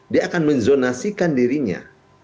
dia akan menzonasikan dirinya